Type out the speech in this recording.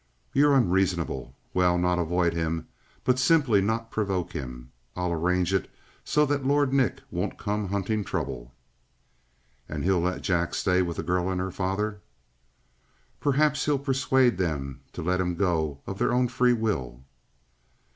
"You're unreasonable! Well, not avoid him, but simply not provoke him. I'll arrange it so that Lord Nick won't come hunting trouble." "And he'll let Jack stay with the girl and her father?" "Perhaps he'll persuade them to let him go of their own free will."